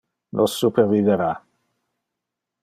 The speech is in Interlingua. Nos supervivera.